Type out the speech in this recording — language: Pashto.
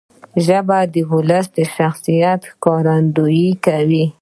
ژبه د ولس د شخصیت ښکارندویي کوي.